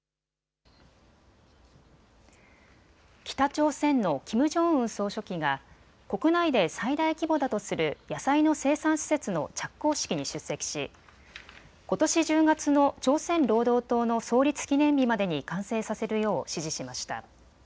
北朝鮮のキム・ジョンウン総書記が国内で最大規模だとする野菜の生産施設の着工式に出席し、ことし１０月の朝鮮労働党の創立記念日までに完成させるよう指示しました。